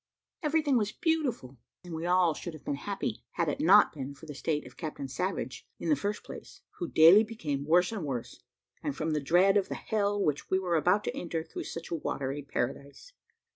Everything was beautiful, and we all should have been happy, had it not been for the state of Captain Savage, in the first place, who daily became worse and worse, and from the dread of the hell which we were about to enter through such a watery paradise.